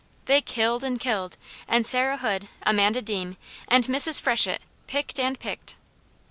They killed and killed, and Sarah Hood, Amanda Deam, and Mrs. Freshett picked and picked.